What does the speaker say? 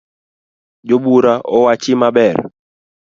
Jobura owachi maber